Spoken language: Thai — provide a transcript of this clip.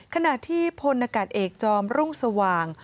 ขณะที่พลนากาศเอกจอมรุ่งสว่าง